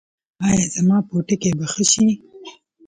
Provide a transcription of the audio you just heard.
ایا زما پوټکی به ښه شي؟